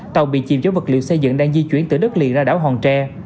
tàu bị chìm chở vật liệu xây dựng đang di chuyển từ đất liền ra đảo hòn tre